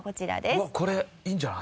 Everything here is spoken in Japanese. うわっこれいいんじゃない？